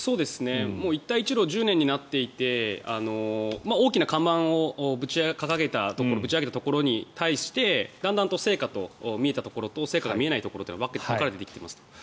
一帯一路１０年になっていて大きな看板をぶち上げたところに対してだんだんと成果が見えたところと成果が見えないところが分かれてきていますと。